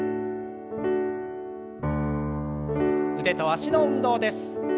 腕と脚の運動です。